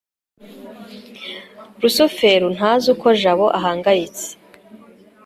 rusufero ntazi uko jabo ahangayitse